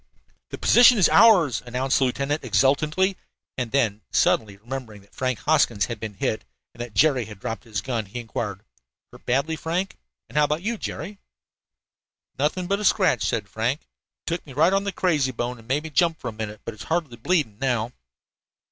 "The position is ours," announced the lieutenant exultantly, and then, suddenly remembering that Frank Hoskins had been hit and that Jerry had dropped his gun, he inquired: "Hurt badly, Frank? And how about you, Jerry?" "Nothing but a scratch," said Frank. "Took me right on the 'crazy bone' and made me jump for a minute, but it's hardly bleeding now."